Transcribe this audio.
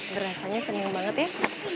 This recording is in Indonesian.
berasanya seneng banget ya